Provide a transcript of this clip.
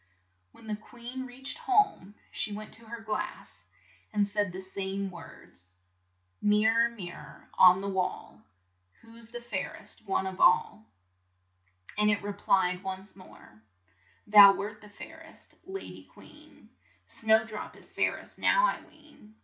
When the queen reached home, she went to her glass and said the same words :" Mir ror, mir ror, on the wall, Who's the fair est one of all ?" LITTLE SNOWDROP 71 and it re plied once more :" Thou wert the fair est, la dy queen, Snow drop is fair est now, I ween.